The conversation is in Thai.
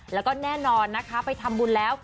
แล้วก็แน่นอนนะคะไปทำบุญแล้ว